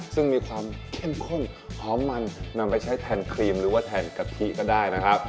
ซึ่งมีความเข้มข้นหอมมันนำไปใช้แทนครีมหรือว่าแทนกะทิก็ได้นะครับ